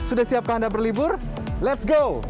sudah siapkah anda berlibur let's go